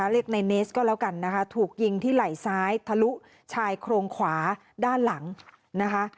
เรียกในเนสก็แล้วกันนะคะถูกยิงที่ไหล่ซ้ายทะลุชายโครงขวาด้านหลังนะคะ